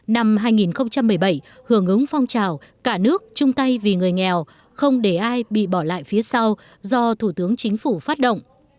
năm hai nghìn một mươi bảy hưởng ứng phong trào cả nước chung tay vì người nghèo không để ai bị bỏ lại phía sau do thủ tướng chính phủ phát động